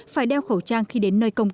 phải đeo khẩu trang khi đến nơi công cấp